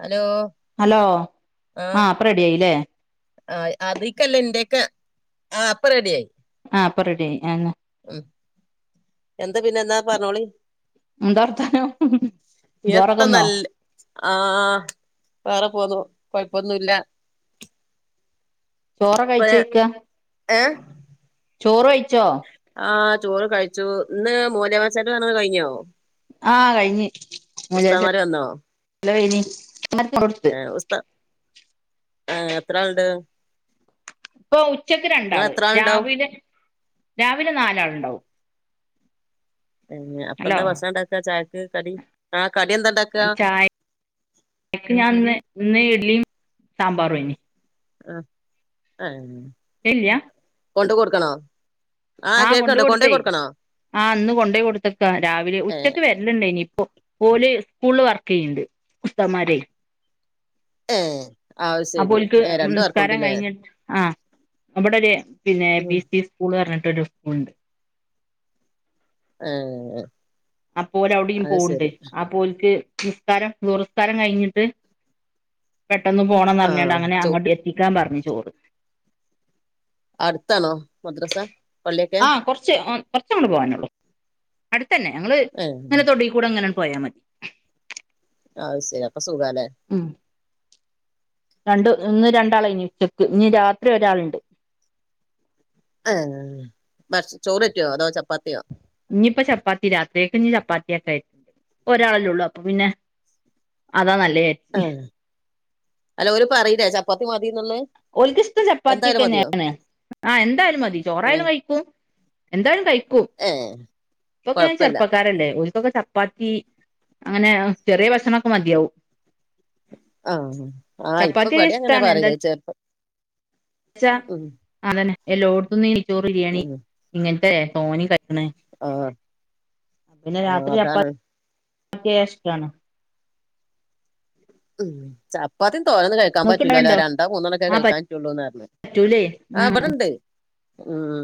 Hello hello ആ അപ്പം ready ആയില്ലേ ആ അതിക്കല്ല എന്റെയൊക്കെ ആ അപ്പ റെഡിയായി ആഹ്പ്പൊ റെഡിയ ആായി ആ ഉം എന്താ പിന്നെ എന്താ പറഞ്ഞോളി എന്താ വർത്താനം ചോറൊക്കെ ത്ത തിന്നോ നല്ല ആഹ വേറെ പോന്നു കൊഴപ്പൊന്നുമല്ല. ചോറൊ ഇപ്പ കഴിച്ചോക്ക ഏഹ് ഈചോറ് കഴിച്ചോ? ആ ചോറ് കഴിച്ചു ഇന്ന് മൂലവശട്ട കു കഴിഞ്ഞോ? ആഹ കഴിഞ്ഞ്ചച്ച ഉസ്താമാര് വന്നോ ഇനി മര കൊടുത്ത് [unintelligible] ആ എത്ര ആളുണ്ട്? ഇപ്പൊ ഉച്ചക്ക് നിങ്ങള് രണ്ടാള് എത്ര ആളുണ്ടാവും രാവിലെ രാവിലെ നാലാൾ ഉണ്ടാവും അപ്പ ഹലോ എന്താ ഭക്ഷണം ഉണ്ടാക്കാ ചായക്ക് കടി ആ കടി എന്താ ഉണ്ടാക്കുക ചായക്ക് ഞാൻ ഇന്ന് ഇന്ന് ഇഡ്ലിയും സാമ്പാറും ആയിന് ആഹ് ആഹ് ഇല്ല്യ കൊണ്ടെ കൊടുക്കണോ ആഹ് കൊണ്ട് കേൾക്കണ്ട് കൊണ്ടോയി കൊടുത്തേ കൊടുക്കണോ ആ ഇന്ന് കൊണ്ട് പോയി കൊടുത്തേക്കാ രാവിലെ ഏഹ് ഉച്ചക്ക് വര ലില്ല ഇനിയിപ്പോ ഓല് സ്കൂളില് വർക്ക് ചെയ്യണ്ട് ഉസ്തൻന്മാരെ ഏ അപ്പോ ഓൽക്ക് നിസ്കാരം കഴിഞ്ഞിട്ട് ആഹ് ഇവിടൊരു പിന്നെ ഉം പി സി സ്കൂള് പറഞ്ഞിട്ടൊരു സ്കൂളുണ്ട് ആഹ് അപ്പോ ഓല് അവിടെയും പോണ്ട് അപ്പോ ഓൽക്ക് നിസ്കാരം [unintelligible] നിസ്കാരം കഴിഞ്ഞിട്ട് പെട്ടന്ന് പോണംന്ന് ആഹ പറഞ്ഞണ്ട് അങ്ങനെ ച അങ്ങോട്ട് എത്തിക്കാൻ പറഞ്ഞു ചോറ് അടുത്താണോ മദ്രസ പളളിയൊക്ക ച്ച് കുറച്ചങ്ങട്ട് പോവാനൊള്ളു അടുത്തന്നെ ഞങ്ങള് ഏ ഞങ്ങടെ തൊടി കൂടങ്ങനെ പോയാൽ മതി ആഹ് അത് ശരി അപ്പൊ സുഖാല്ലേ ഉം രണ്ട് ഇന്ന് രണ്ടാളായിനി ഉച്ചക്ക് ഇനി രാത്രി ഒരാളുണ്ട് ആഹ് [unintelligible] ചോറ് കെട്ടിയോ അതോ ചപ്പാത്തിയോ ഇനിയിപ്പൊ ചപ്പാത്തി രാത്രിയാക്ക് ഇനി ചപ്പാത്തിയൊക്കെ ആയിട്ടുണ്ട് ഒരാളല്ലേ ഉള്ളു അപ്പൊ പിന്നെ അതാ നല്ലത് ആഹ് അല്ല ഓര് പറയില്ലേ ചപ്പാത്തി മതിയെന്നൊള്ളത് ഓൽക്കിഷ്ടം ചപ്പാത്തി ഒക്കെ തന്നെയാണ് ആഹ് എന്തായാലും മതി ഉം ചോറായാലും കഴിക്കും എന്തായാലും കഴിക്കും ഏ ഇപ്പൊക്കെ ഓര് കൊഴപ്പല്ല ചെറുപ്പക്കാരല്ലേ ഒരു ഇപ്പൊക്കെ ചപ്പാത്തി അങ്ങനെ ചെറിയ ഭക്ഷണവൊക്കെ മതിയാവും ആഹ് ആഹ് ഇപ്പൊ ചപ്പാത്തി ഇവിടെയും അങ്ങനാ ഇഷ്ടാണ് എന്താ പറയല് ചെ ച്ചാ അതന്നെ എല്ലോടത്തുന്നും ഈ നെയ്ച്ചൊറ് ബിരിയാണി ഉം ഇങ്ങനത്തെ തോന് കഴിക്കണെ ആഹ് പിന്നെ ആഹ് രാത്രി അതാണ് ചപ്പാത്തി ആയ ഇഷ്ടമാണോ ഉം ചപ്പാത്തി തോരന്നന്ന് കഴിക്കാൻ ഇങ്ങക്ക് പറ്റൂലല്ലോ ഇണ്ടാവല്ണ്ടോ രണ്ടോ മൂന്നെണ്ണം ഒക്കെയെ ആഹ് കഴിക്കാൻ പറ്റുള്ളൂന്നാ പറഞ്ഞേ പറ്റൂലേ ആഹ് ഉം ഇബടണ്ട് ഉം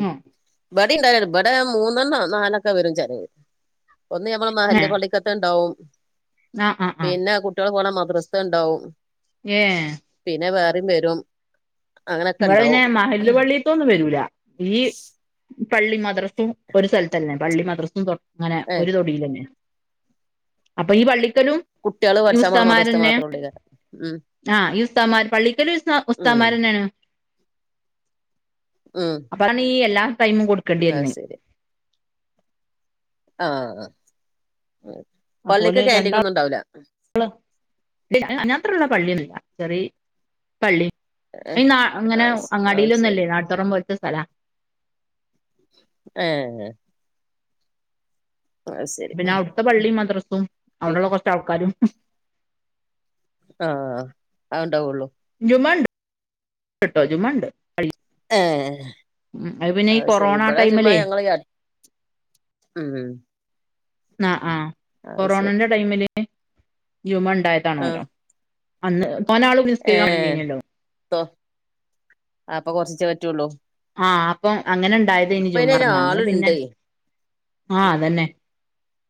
ഇബട ഉണ്ടാരുന്നു ഇബടെ മൂന്നെണ്ണവൊ നാലൊക്കെ വരും ചെലത് ഒന്ന് ഞമ്മൾ മഹൻന്റെ ഏഹ് പള്ളി ക്കകത്ത് ഉണ്ടാവും ആഹ് ആഹ് ആഹ് പിന്നെ കുട്ടികള് പോണ മദ്ര സ ഉണ്ടാവും ഏഹ് പിന്നെ വേറയും വരും അങ്ങനെയൊക്കെ ഇവിടെ പിന്നെ ഉണ്ടാവും മഹല് പള്ളിത്തൊന്നും വരൂല ഈ പള്ളി മദ്രസും ഒരു സ്ഥലത്ത് തന്നെ പള്ളി മദ്രസും തൊ അങ്ങനെ ഏ ഒരു തൊടിൽ തന്നെയാ അപ്പൊ ഈ പള്ളിക്കലും കുട്ടികള് ഈ പഠിച്ചാ നമ്മളുടെ മദ്രസ ഉസ്താമാരെന്നെ മാത്രം ഉള്ളൂ കാരം ആഹ് ഈ ഉസ്താൻമാർ പള്ളിക്കലും ഉ ഉസ്താൻമാര് തന്നെയാണ് ഉം ഇബിട നീ എല്ലാ ടൈമും കൊടു അത് ശരി ആഹ് അപ്പൊ പള്ളിക്ക് ഓല് കാന്റീൻ രണ്ടാ ഒന്നും ഉണ്ടാവൂല [unintelligible] അതിന് മാത്രമുള്ള പള്ളിയൊന്നുമില്ല ചെറി പള്ളി ഏ ന അങ്ങനെ അത് ശ അത് ശരി അങ്ങാടിയിലൊന്നല്ലേ നാട്ടത്തുറം പോലത്തെ സ്ഥലം ഏയ് ശരി പിന്നെ അവിടുത്തെ പള്ളിും മദ്രസും അവിടെള്ള കുറച്ച ആൾക്കാരും ആഹ് അവഔണ്ടാവള്ളു ജുമുമണ്ട് ട്ടോ ജുമുമണ്ട് ഏയ് പിന്നെ ഈ അത് ശരി കൊറോണ ഇപ്പല ജുമാ ടൈമിലേ ഞങ്ങള് ഉം ആഹ് ആഹ് അത് ശരി കൊറോണന്റെ ടൈമില് ജൂമ ആഹ് ഉണ്ടായതാനവിടെ അന്ന് പോനാളും ഏ നിസ്കല്ലോ അപ്പൊ കൊറച്ചിച്ചേ പറ്റുള്ളൂ ആഹ് അപ്പൊ അങ്ങനെ ഉണ്ടായത് ഇനി ഇപ്പ അയിന് ചുമ്മാ പറഞ്ഞ അങ്ങനെ പിന്നെ ആ ആഹ് അതന്നെ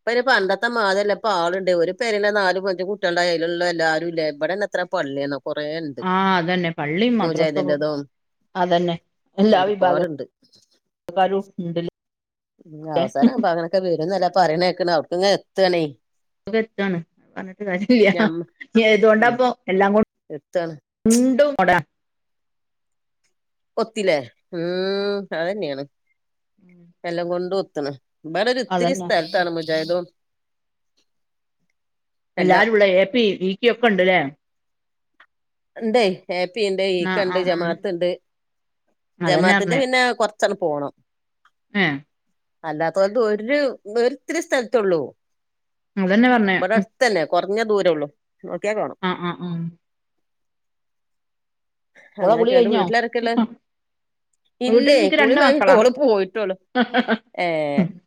ഇപ്പനി പണ്ടത്തെ മാതമല്ല ഇപ്പ ആൾുണ്ട് ഒരു പേരി നാല് മഞ്ചും കുട്ടികളുടെ കയ്യിലുള്ള എല്ലാരും ഇല്ല ഇവിടെന്ന എത്ര പള്ളിയാണോ ആഹ് അതന്നെ പള്ളി മദ്രസ പോകും മുജാഹിദിന്റെതും അതന്നെ എല്ലാ ഒരുപാടുണ്ട് വിഭാഗാരും ഉണ്ടില്ല അവസാനം ആപോൾ അങ്ങനൊക്കെ വരുംന്നല്ല പറയണേക്കണ അവർക്ക് ഇങ്ങ എത്തണേ എത്താണ് പറഞ്ഞിട്ട് കാര്യംില്ല ഉം നഏതുകൊണ്ടാപ്പ എല്ലാംകണ്ട് എത്താണ് ഉണ്ടും കൊട ഒത്തില്ലേ ഉം അത തന്നെയാണ് എല്ലാം കൊണ്ട് ഒത്തണ് ഇവടെ ഒരു ഇത്തിരി അതന്നെ സ്ഥലത്താണ് മുജാദോ ല്ലാരുംള്ള എ പി ഇ കി ഒക്കെ ഉണ്ട്ല്ലേ ഉണ്ട് ഹപ്പി ഉണ്ട് ആ ഈക്ക ആ ഉണ്ട് ഉം ജമാഅത്ത് ഉണ്ട് അതന്നെ ജമാഅത്തിന്റെ പിന്നെ കൊറ ചല പോകണം ആഹ് അല്ലാത്ത കൊണ്ട് ഒരുരിത്തിരി സ്ഥലത്തള്ളൂ അതന്നെ പറഞ്ഞേ തന്നെ കുറഞ്ഞ ദൂരേ ഉള്ളൂ നോക്കിയാൽ കാണാം ഉം ഉം ഉം ഓളെ കുളി അങ്ങനെയൊക്കെ എന്നിട്ട് കഴിഞ്ഞോ വീട്ടിലാരൊക്കെയള്ള വീട്ടിൽ ഇല്ലേ എനിക്ക് കുളി രണ്ട് കഴിഞ്ഞ മക്കളാ ഓളപ്പ് പോയിട്ടോളു ഏ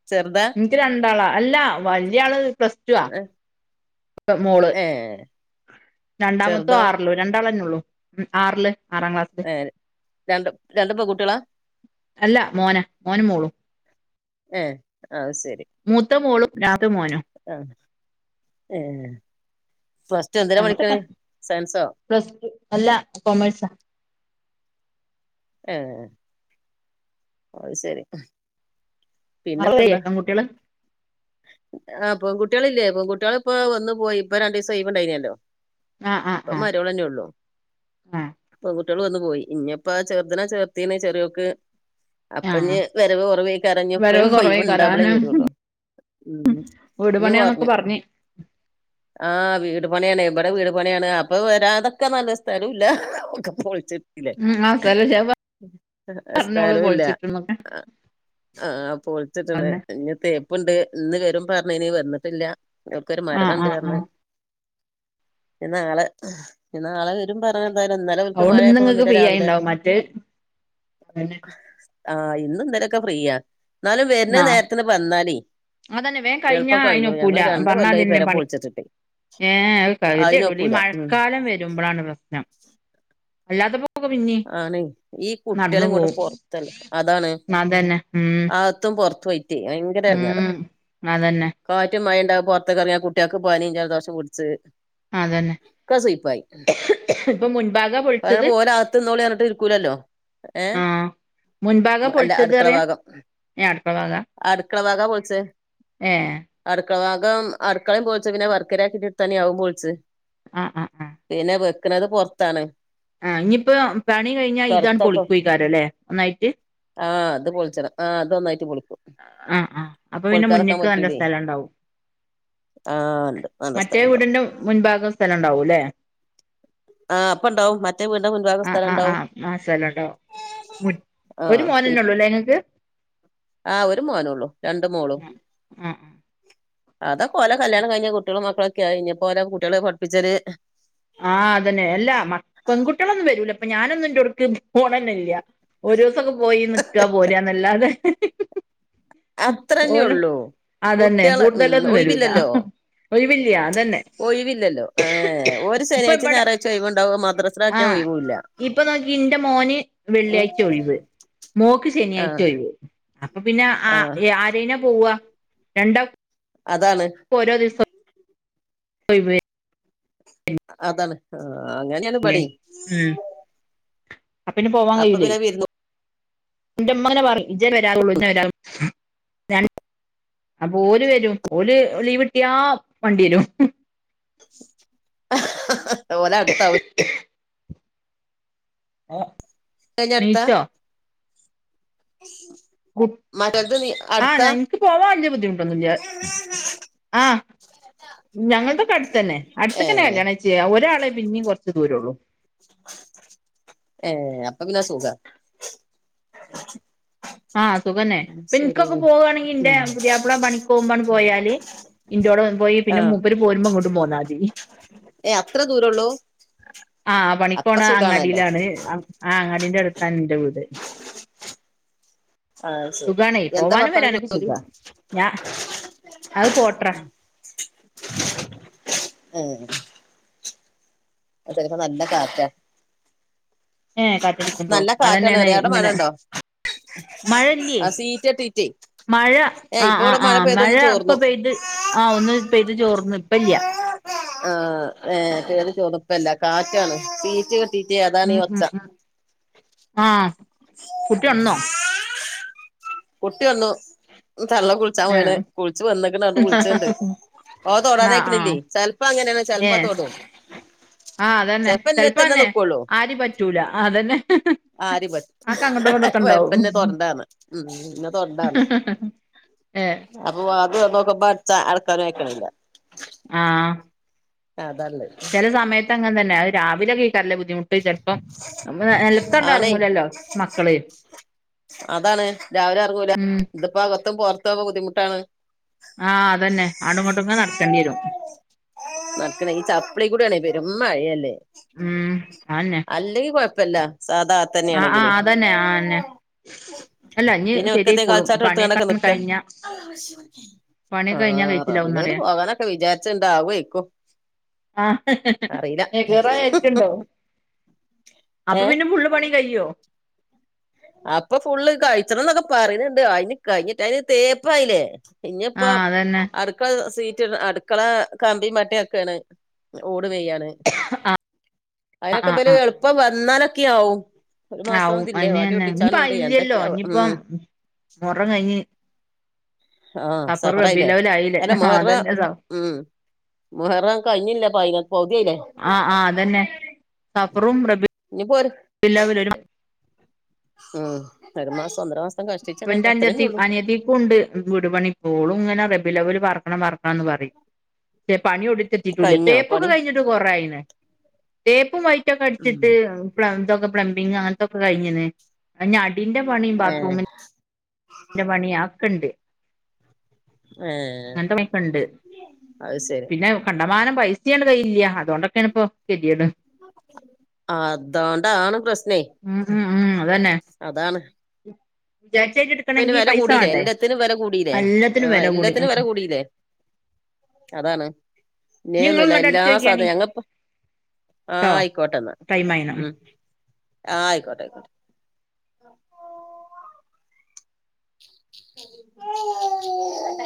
ചെറുതാ എനിക്ക് രണ്ടാളാ അല്ല വലിയ ആള് പ്ലസ് ടു ആ ഉും ഏഹ് രണ്ടാമത്തോ ആറിലോ രണ്ടാളന്നെള്ളൂ ഉ ആറില് ആറാം ക്ലാസ്സില് ഏ രണ്ട് രണ്ട് പെൺകുട്ടികളാ അല്ല മോന മോനും മോളും ഏയ് ആഹ് ശരി മൂത്ത മോളും രാത് മോൻ ആ ഏ പ്ലസ്ടു എന്തിനാ പഠിക്കുന്നത് സയൻസോ പ്ലസ്ടു അല്ല കോമഴസ ആഹ് അത് ശരി പിന്നെപ്പന്താ പെൺകുട്ടികള് ആ പെൺകുട്ടികളില്ലേ പെൺകുട്ടികളി ഇപ്പോ വന്ന്പോയി ഇപ്പോ രണ്ട് ദിവസം ഒഴിവ്ഉണ്ടായിരുന്നല്ലോ ആഹ് ആഹ് ഇപ്പമര്മോൾന്നെ ഉള്ളു ആഹ് ആഹ് പെൺകുട്ടികള് വന്നുപോയി ഇനിപ്പോ ചെറുതിനെ ചേർത്തീനെ ചെറിയോക്ക് അപ്പനി ആഹ് വരവ് കൊറവായിക്കരഞ്ഞു എപ്പളെ ഒയിവ് ഉണ്ടാവുമ്പളേ വരുള്ളു. ഉം വീടുപണിയാന്നൊക്കെ പറഞ്ഞെ. ആ വീടുപണിയാണ് ഇവിടെ വീടുപണിയാണ് അപ്പൊ വരാതിക്കാ നല്ലത് സ്ഥലം ഇല്ല ഒക്കെ പൊളിച്ചിട്ടില്ലേ. ഉം ആ സ്ഥലം ഷെ ഏ എ പറഞ്ഞോള് സ്ഥലവില്ലാ പൊളിച്ചിട്ട്ന്നൊക്കെ ആ പൊളിച്ചിട്ടണ് അതെന്നെ ഇനി തേ പ്പൊണ്ട് ഇന്നുകരും പറഞ്ഞീനി വന്നിട്ടില്ല ഞങ്ങ്ക്കൊരു ആഹ് ആഹ് മരണൊണ്ടറഞ്ഞ് ആഹ് ഇനി നാളെ ആഹ് ഇനി നാളെ വരും പറഞ്ഞ് എന്തായാലും ഇന്നലെ ഓൽക്ക് മഴയായപ്പം വന്നില്ല രാവിലെ. തെ തന്നെ ആ ഇന്നും ഇന്നലൊക്കെ ഫ്രീയാ എന്നാലും ആഹ് വരുന്നനേരത്തിന് വന്നാലി. അതന്നെ വേം കഴിഞ്ഞാ അയിനൊപ്പൂലാ പറഞ്ഞാ കൊല്ലായി അതിന്നെ പെര പണി പൊളിച്ചിട്ടിട്ടേ ഏ ഒരു കവിത ഇടൂല ഈ അതിനൊക്കൂല ഉം മഴക്കാലം വരുമ്പഴാണ് പ്രശ്നം അല്ലാത്തപ്പൊ ആണേയ് ഈ കുട്ടികളേം കൊണ്ട് പോവും പൊറത്താണ് അതാണ്. അതന്നെ ഉം അകത്തും പൊറത്തുവായിറ്റെ ഭയങ്കര എടങ്ങേറാ. ഉം അതന്നെ കാറ്റും മഴയൊണ്ടാകും പൊറത്തേക്കെറങ്ങിയാ കുട്ടികൾക്ക് പനിയും ജലദോഷം പിടിച്ച് ആ അതന്നെ ഒക്കെ സുയിപ്പായി ഇപ്പൊ മുൻഭാഗ പോളി ഓന് അകത്തിരുന്നോളിറഞ്ഞിട്ട് ഇരിക്കൂലല്ലോ ഏ ആഹ് മുൻഭാഗാ അല്ല പൊളിച്ചത് പറയാ അടുക്കളഭാഗം ഏഹ് അടുക്കള ഭാഗാ അടുക്കളഭാഗാ പോളിച്ചെ ഏഹ് അടുക്കളഭാഗം അടുക്കളയും പോളിച്ച് പിന്നെ വർക്കേരിയാക്കിട്ടി തന്നെ അതും പോളിച്ച്. ആ ആ പിന്നെ വെക്കണത് പൊറത്താണ്. ആ ഇനിയിപ്പോ പണികഴിഞ്ഞാ ഇതാണ് കറുത്തൊക്കെ പൊളിക്കോയിക്കാരല്ലേ ഒന്നായിട്ട്. ആ അത് പൊളിച്ചണം ആ അതൊന്നായിട്ട് പൊളിക്കും. ആ ആ അപ്പൊ പിന്നെ പൊളിക്കാതെക്കാൻ മുന്നേക്ക് വേണ്ട പറ്റൂലേ സ്ഥലൊണ്ടാവും. ആ ഒണ്ട് നല്ല മറ്റേ സ്ഥലൊണ്ട്. വീടിന്റെ മുൻബാഗം സ്ഥലൊണ്ടാവൂല്ലേ. ആ അപ്പ ഉണ്ടാവും മറ്റേ വീടിന്റെ മുൻഭാഗം ആ സ്ഥലം ആ ആ ഉണ്ടാവും മാസ്ഥലോണ്ടാവും. മുൻ ആ ഒരു ഇ- മോനന്നെ ഉള്ളൂല്ലേ നിങ്ങക്ക്. ആ ഒരു മോനെ ഒള്ളു രണ്ടുമോളും. ആഹ് ആഹ് അതൊക്കെ ഓല കല്യാണം കഴിഞ്ഞ് കുട്ടികളും മക്കളൊക്കെയായി ഇനിപ്പോ ഓല കുട്ടികളെ പഠിപ്പിച്ചൊര്. ആ അതന്നെ അല്ലാ മ പെൺകുട്ടികളൊന്നും വരൂലാ ഇപ്പം ഞാനൊന്നും എൻറെടവിടേക്ക് പോണന്നെ ഇല്ല ഒരുസൊക്കെ പോയിനിക്ക പോരുകാന്നല്ലാതെ അത്രന്നെയൊള്ളു അതന്നെ കുട്ടികള് ഉം കൂടുതലൊന്നും വരൂല ഒഴിവില്ലല്ലോ. ഒഴിവില്ല അതന്നെ ഒഴിവില്ലല്ലോ ഏ ഓരു ഇപ്പൊ ശെനിയാഴ്ചേം ഇവിടെ ഞായറാഴ്ചേം ഒഴിവൊണ്ടാവും മദ്രസെടെ കാര്യത്തിൽ ആ ഒഴിവു ഇല്ല. ഇപ്പം നോക്ക് ഇന്റെ മോന് വെള്ളിയാഴ്ച ഒഴിവ് മോക്ക് ശനിയാഴ്ച ആഹ് ഒഴിവ്. അപ്പം പിന്നെ ആ ആഹ് എ ആരേനാ പോവാ രണ്ടാ അതാണ്. ഇപ്പം ഓരോദിവസം ഒഴിവ്. അതാണ് ആ അങ്ങനെയാണ് പിന്നെ പണി. ഉം അപ്പം പിന്നെ പോവാൻ അപ്പൊ കയ്യൂലെ പിന്നെ വിരുന്ന് എന്റുമ്മങ്ങനെ പറയും. ജ്ജ് വരാറൊള്ളൂ ജ്ജ് വരാറെ രൺ അപ്പ ഓലുവരും ഓല് ലീവ്കിട്ട്യാ മണ്ട്യേരും ഓലട്ത്താവു ഏഹ് [unintelligible] അട്ത്ത മറ്റോൽത് നീ ആഹ് അടുത്താ ഞങക്ക് പോവാൻ വല്ല്യ ബുദ്ധിമുട്ടൊന്നുല്ല ആഹ് ഞങ്ങക്കെക്കെ അട്ത്തന്നെ അട്ത്ത്ക്കന്നെ ഏഹ് കല്ല്യാണം ചെയ്യ ഒരാളെ പിന്നിം കൊറച്ച് ദൂരൊള്ളു ഏഹ് അപ്പം [unintelligible] സുഖ ആഹ് സുഖന്നെ ഇപ്പ ശരി ഇൻക്കൊക്കെ പോവാണങ്കി ഇന്റെ ഉം പുത്യാപ്പ്ള പണിക്കോവുമ്പാണ് പോയാല് ഇന്റോടെ പോയി പിന്നെ ആഹ് മൂപ്പര് പോരുമ്പോ ഇങ്ങോട്ടു പോന്നാതി ഏഹ് അത്ര ദൂരൊള്ളൂ ആഹ് പണിക്കോണ അങ്ങാടിയിലാണ് ആഹ് അങ്ങാടിന്റെ അടുത്താണ് എന്റെ വീട് ആഹ് ശരി സുഖാണ് എന്താ പോവാനും ഭർത്താവിന് വരാനൊക്കെ സുഖ ജോലി ഞാ അത് പോട്ട്രാ ഏഹ് കൊർച്ചോരപ്പം നല്ല കാറ്റാ ഏഹ് കാറ്റടിക്ക്ണ്ടോ നല്ല കാറ്റാണ് അതന്നെയാണ് പറയ അവിടെ ഇങ്ങനെ മഴെണ്ടോ മഴല്ലേ ആ സീറ്റെട്ടീട്ടെ മഴ ആഹ് ആഹ് ആഹ് മഴ ഇപ്പൊ ചോർന്നു പെയ്ത് ആഹ് ഒന്ന് പെയ്ത് ചോർന്ന് ഇപ്പ ഇല്ല്യ ആഹ് ഏഹ് പെയ്ത് തോർന്ന് ഇപ്പില്ല കാറ്റാണ് സീറ്റ് കെട്ടീട്ടേ അതാണ് ഉം ഈ ഉം ഒച്ച ഉം ആഹ് കുട്ടി ഒൺന്നോ കുട്ടി ഒന്നു തള്ള കുളിച്ചാൻ പോയ്ണ് ഏഹ് കുളിച്ച് വന്ന്ക്ക്ണ് [unintelligible] ഓൻ ആഹ് തൊടാനയ്ക്കണില്ലേ ആഹ് ചെൽപ്പം അങ്ങനെണ് ചെലപ്പ ഏഹ് തൊടും ആഹ് അതന്നെ ചെലപ്പോ എന്നെ തന്നെ ചെലപ്പന്നെ നിക്കുള്ളൂ ആരും പറ്റൂല അഹ് അതന്നെ അതൊക്കെ അങ്ങോട്ടും അത് ഇങ്ങോട്ടൊക്കെ ഉണ്ടാവും കൊഴപ്പില്ല തൊടണ്ടാന്ന് ഉം ഇന്നെ തൊടണ്ടാന്ന് ഏഹ് അപ്പ വാതില് തെർന്നോക്കുമ്പോ അടിച്ച അടക്കാനും അയ്ക്കണില്ല ആഹ് അതാള്ളെ ചെല സമയത്ത് അങ്ങന തന്നെ അത് രാവിലെ കേക്കാറില്ല ബുദ്ധിമുട്ട് ചെൽപ്പം നെലത്തണ്ട് ആണേ എർങ്ങൂല്ലല്ലോ മക്കള് അതാണ് രാവിലെ എർങ്ങൂല ഉം ഇതിപ്പോ അകത്തും പൊറത്തോക്കെ ബുദ്ധിമുട്ടാണ് ആഹ് അതന്നെ ആണുംഇങ്ങട്ടും ഒക്കെ നടക്കണ്ടി വരും നടക്കണേ ഈ ചപ്പ്ളി കൂടിയാണ് പെരും മഴയല്ലേ ഉം അന്നെ അല്ലെങ്കി കൊഴപ്പവില്ല സാധാ ആഹ് തന്നെയാണെങ്കില് ആഹ് അതന്നെ ആന്നെ അല്ല ഇഞ് പിന്നെ ഒക്കത്തെ ശര്യായിക്കോളും കളിച്ചാട്ടം എടുത്തുകൊണ്ടൊക്കെ പണിയൊക്കെങ്ങട് നിക്ക കഴിഞ്ഞ പണിയൊക്കെ കഴിഞ്ഞാ ആഹ് റബ്ബിലവല് കഴിച്ചിലാവുന്നറിയാ പോകാനൊക്കെ വിചാരിച്ചിണ്ട് ആവോയ്ക്കും ആഹ് അറിയില അപ്പ പിന്നെ ഫുള്ള് പണീം കഴിയ്യോ അപ്പ ഫുള്ള് കഴിച്ചണന്നൊക്കെ പറയണെണ്ട് അയിന് കഴിഞ്ഞിട്ട് അയ്ന് തേപ്പായില്ലെ ഇഞ്ഞിപ്പ ആഹ് അതന്നെ അർ ക്ക് സീറ്റിട അടുക്കള കമ്പിം മറ്റേ ഒക്കേണ് ഓട് മെയ്യാണ് ആഹ് അയിനൊക്കെ ആഹ് ഇബല് ആഹ് എളുപ്പം വന്നാലൊക്കെയാവും. ഒരു മാസം ഇതില്ലേ വാടിയൊ ഇഞ്ഞിപ്പ അയ്ല്ല്യല്ലോ ഇഞ്ഞിപ്പം മുഹറം കഴിഞ്ഞ് ആഹ് സഫർ സഫറായില്ലേ. റബിലവലായില്ലേ അല്ല ആഹ് മുഹറം അതന്നെ സ ഉം മുഹറം കഴിഞ്ഞില്ല. പയിനെ പൗതി ആയില്ലേ ആഹ് ആഹ് അതെന്നെ. സഫറും റബി ഇനിപ്പോ ഒരു ഉൽ അവ്വലും ഒരു മാ ഉം, ഒരു മാസം ഒന്നര മാസം കഷ്ടിച്ചിടണ്ട പ്പന്റെ അത്രേന്നെ അഞ്ചത്തി ഉള്ളൂ അനിയത്തിക്കുണ്ട് വീട് പണി ഇപ്പോളും ഇങ്ങനെ റബിൽ അവ്വല് പാർക്കണം പാറർക്കണം ന്ന് പറയും. റ്റെ പണി എവ്ടിം എത്തിട്ടൂല്ല്യ, കഴിഞ്ഞോ തേപ്പൊക്കെ പണി കഴിഞ്ഞിട്ട് കെറേ ആയിണ്. തേപ്പും വൈറ്റൊക്കെ അട്ച്ചിട്ട് അഹ് പ്ലം തൊക്കെ പ്ലംബിംഗ് അങ്ങൻത്തൊക്കെ കഴിഞ്ഞ്ണ്. ഇഞ് അടിന്റെ പണിം ഏഹ് ബാത്റൂമി ന്റെ പണി അഹ് ഒക്കെണ്ട് ഏഹ് അങ്ങൻത്തെ പണിക്കെണ്ട് അത് ശരി പിന്നെ കണ്ടമാനം പൈസിം ആണ്ട് കയ്യിലില്ല്യ അതോണ്ടൊക്കേണ് ഇപ്പൊ കെത്യേട് അതോണ്ടാണ് പ്രശ്നേയ് ഉം ഉം ഉം അതന്നെ വിചാരിച്ചാരിണ്ട് പ്പ അയിന് വെല കൂടില്ലേ, എല്ലത്തിനും വെല കൂടിലേ. എല്ലാത്തിനും ആഹ് വില കൂടി ഉം എല്ലത്തിനും വെല കൂടില്ലേ അതാണ് ഇനി ഇന്നെയൊന്നും ഇങ്ങള് ഇല്ല ഇങ്ങട്ട് എല്ലാ അടിച്ചോക്കിയാണി സാധന ഞങ്ങപ്പൊ ട്ടോ ആഹ് അയ്ക്കോട്ടെ ഇന്നാ ടൈം ആയിണ് ഉം ആഹ് അയ്ക്കോട്ടെ അയ്ക്കോട്ടെ [unintelligible]